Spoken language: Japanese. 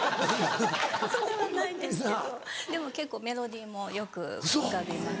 それはないですけどでも結構メロディーもよく浮かびます。